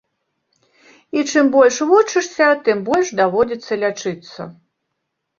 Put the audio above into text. І чым больш вучышся, тым больш даводзіцца лячыцца.